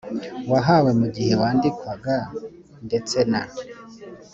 wahawe mu gihe wandikwaga ndetse na